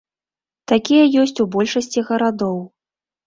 Такія ёсць у большасці гарадоў.